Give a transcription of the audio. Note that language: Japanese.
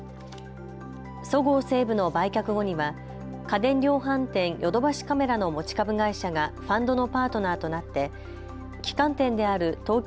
そごう・西武の売却後には家電量販店、ヨドバシカメラの持ち株会社がファンドのパートナーとなって旗艦店である東京